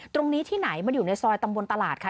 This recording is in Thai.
ตรงนี้ที่ไหนมันอยู่ในซอยตำบลตลาดค่ะ